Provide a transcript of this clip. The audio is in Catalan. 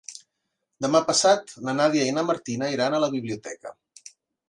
Demà passat na Nàdia i na Martina iran a la biblioteca.